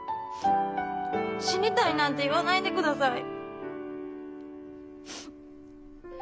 「死にたい」なんて言わないで下さい。